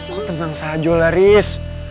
kau tenang saja lah riz